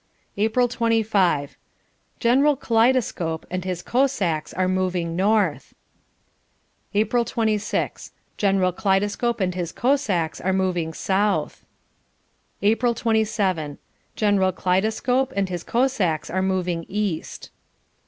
April 25. General Kaleidescope and his Cossacks are moving north. April 26. General Kaleidescope and his Cossacks are moving south. April 27. General Kaleidescope and his Cossacks are moving east.